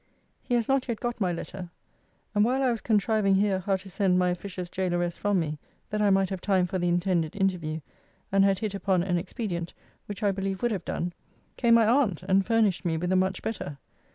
He has not yet got my letter: and while I was contriving here how to send my officious gaoleress from me, that I might have time for the intended interview, and had hit upon an expedient, which I believe would have done, came my aunt, and furnished me with a much better.